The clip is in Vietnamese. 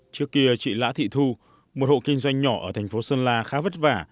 trước kia chị lã thị thu một hộ kinh doanh nhỏ ở thành phố sơn la khá vất vả